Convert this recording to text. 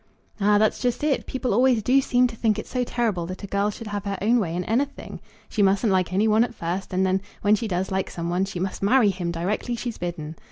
"Ah! that's just it. People always do seem to think it so terrible that a girl should have her own way in anything. She mustn't like any one at first; and then, when she does like some one, she must marry him directly she's bidden.